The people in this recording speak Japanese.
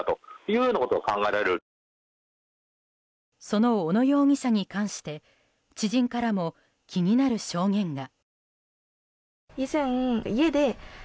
その小野容疑者に関して知人からも気になる証言が。